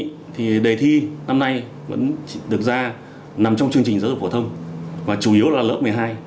thì đề thi năm nay vẫn được ra nằm trong chương trình giáo dục phổ thông và chủ yếu là lớp một mươi hai